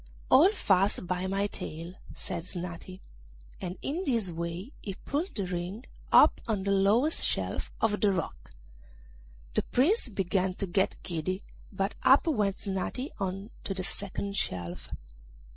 'Hold fast by my tail,' said Snati; and in this way he pulled Ring up on the lowest shelf of the rock. The Prince began to get giddy, but up went Snati on to the second shelf.